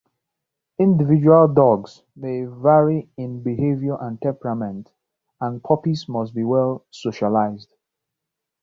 Individual dogs may vary in behaviour and temperament, and puppies must be well socialized.